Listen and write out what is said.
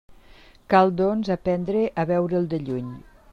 Cal, doncs, aprendre a veure'l de lluny.